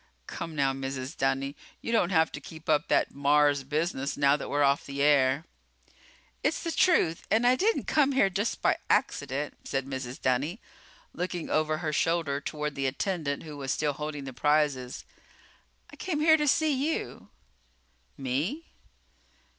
"Come, now, Mrs. Dunny. You don't have to keep up that Mars business now that we're off the air." "It's the truth and I didn't come here just by accident," said Mrs. Dunny, looking over her shoulder toward the attendant who was still holding the prizes. "I came here to see you." "Me?"